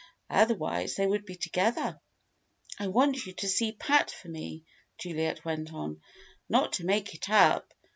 Otherwise they would be together. "I want you to see Pat for me," Juliet went on. "Not to make it up!